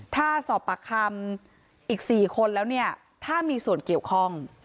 ถ้าสอบปากคำอีก๔คนแล้วเนี่ยถ้ามีส่วนเกี่ยวข้อง